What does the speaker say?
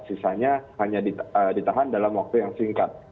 sisanya hanya ditahan dalam waktu yang singkat